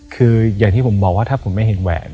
คืออย่างที่ผมบอกว่าถ้าผมไม่เห็นแหวน